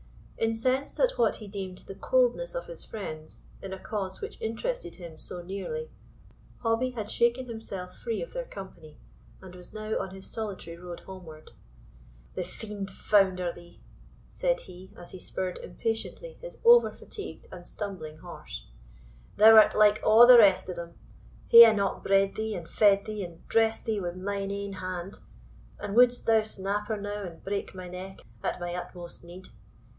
Incensed at what he deemed the coldness of his friends, in a cause which interested him so nearly, Hobbie had shaken himself free of their company, and was now on his solitary road homeward. "The fiend founder thee!" said he, as he spurred impatiently his over fatigued and stumbling horse; "thou art like a' the rest o' them. Hae I not bred thee, and fed thee, and dressed thee wi' mine ain hand, and wouldst thou snapper now and break my neck at my utmost need?